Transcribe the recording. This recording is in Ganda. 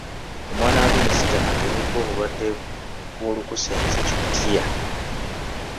Omwana wa minisita agemeddwa obulwadde bw'olukusense-Kikutiya